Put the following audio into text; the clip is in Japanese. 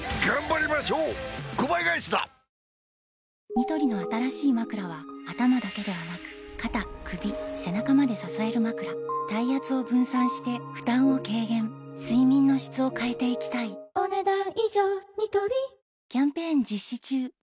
ニトリの新しいまくらは頭だけではなく肩・首・背中まで支えるまくら体圧を分散して負担を軽減睡眠の質を変えていきたいお、ねだん以上。